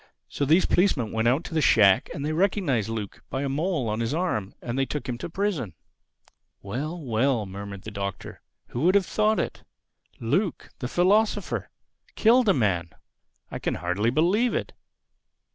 So these policemen went out to the shack, and they recognized Luke by a mole on his arm. And they took him to prison." "Well, well!" murmured the Doctor. "Who would have thought it?—Luke, the philosopher!—Killed a man!—I can hardly believe it."